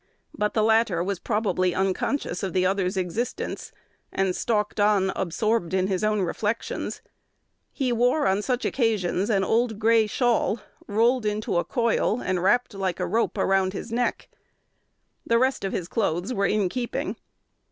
But the latter was probably unconscious of the other's existence, and stalked on, absorbed in his own reflections. He wore on such occasions an old gray shawl, rolled into a coil, and wrapped like a rope around his neck. The rest of his clothes were in keeping.